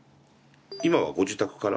今はご自宅から？